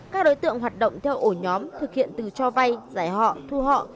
các đối tượng hoạt động theo ổ nhóm thực hiện từ cho vay giải họ thu họ